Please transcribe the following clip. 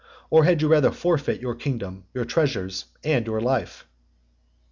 or had you rather forfeit your kingdom, your treasures, and your life?"